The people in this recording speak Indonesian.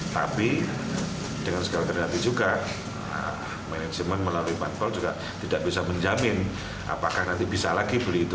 tapi dengan segala kendati juga manajemen melalui parpol juga tidak bisa menjamin apakah nanti bisa lagi beli itu